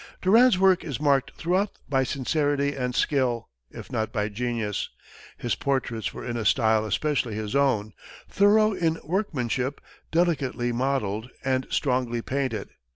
Durand's work is marked throughout by sincerity and skill, if not by genius. His portraits were in a style especially his own, thorough in workmanship, delicately modelled and strongly painted.